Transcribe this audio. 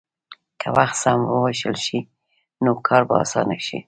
که وخت سم ووېشل شي، نو کار به اسانه شي.